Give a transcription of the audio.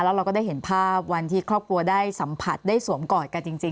แล้วเราก็ได้เห็นภาพวันที่ครอบครัวได้สัมผัสได้สวมกอดกันจริง